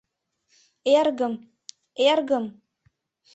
— Эргым, эргым...